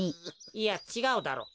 いやちがうだろ。